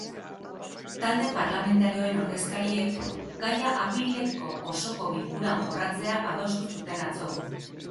Talde parlamentarioen ordezkariek gaia apirileko osoko bilkuran jorratzea adostu zuten atzo.